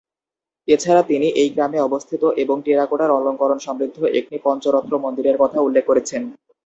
এছাড়া তিনি এই গ্রামে অবস্থিত এবং টেরাকোটার অলংকরণ সমৃদ্ধ একটি পঞ্চরত্ন মন্দিরের কথাও উল্লেখ করেছেন।